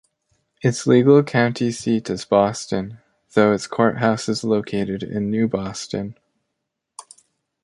Its legal county seat is Boston, though its courthouse is located in New Boston.